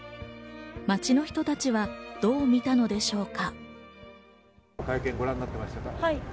街の人たちはどう見たのでしょうか。